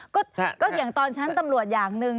ก็อย่างตอนชั้นตำรวจอย่างหนึ่ง